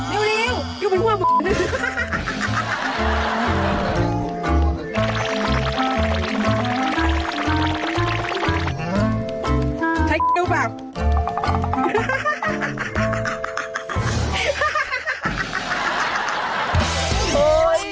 ริ้วริ้วริ้วเป็นหัวบุ๋น